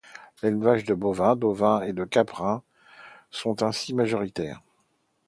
L'élevage de bovins, d'ovins et de caprins sont ainsi majoritaires.